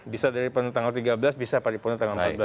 bisa dari tanggal tiga belas bisa paripurna tanggal empat belas